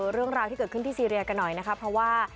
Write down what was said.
เรื่องราวที่เกิดขึ้นที่ซีเรียกันหน่อยนะคะเพราะว่า